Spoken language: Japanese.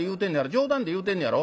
冗談で言うてんねやろ？